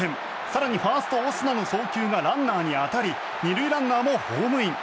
更にファースト、オスナの送球がランナーに当たり２塁ランナーもホームイン。